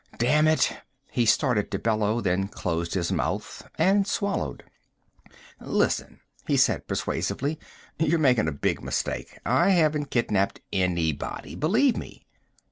"Damn it " he started to bellow, then closed his mouth and swallowed. "Listen," he said persuasively, "you're making a big mistake. I haven't kidnapped anybody, believe me!"